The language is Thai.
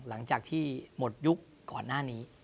หลังจากที่หมดยุคก่อนหน้านี้